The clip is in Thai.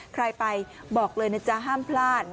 ใครไปบอกเลยนะจ๊ะห้ามพลาด